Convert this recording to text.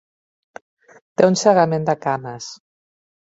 Té un segament de cames.